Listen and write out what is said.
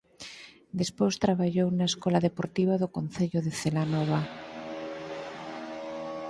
Despois traballou na escola deportiva do Concello de Celanova.